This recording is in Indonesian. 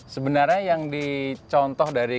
sebenarnya yang dicontoh dari